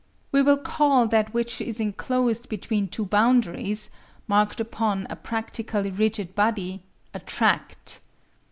We will call that which is enclosed between two boundaries, marked upon a practically rigid body, a tract.